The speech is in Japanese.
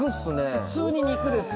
普通に肉です。